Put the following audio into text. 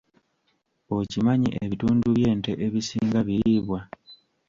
Okimanyi ebitundu by'ente ebisinga biriibwa